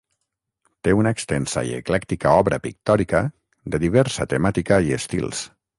Té una extensa i eclèctica obra pictòrica de diversa temàtica i estils.